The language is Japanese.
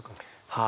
はい。